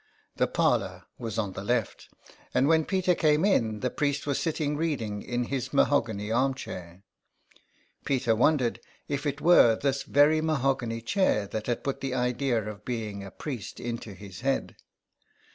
The parlour was on the left, and when Peter came in the priest was sitting reading in his mahogany armchair. Peter wondered if it were this very mahogany chair that had put the idea of being a priest into his head.